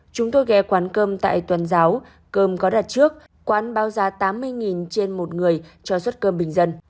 chúng tôi ghe quán cơm tại tuần giáo cơm có đặt trước quán bao giá tám mươi trên một người cho suất cơm bình dân